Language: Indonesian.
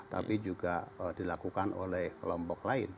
tapi juga dilakukan oleh kelompok lain